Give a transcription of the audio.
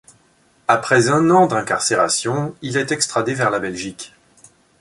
Après un an d'incarcération il est extradé vers la Belgique.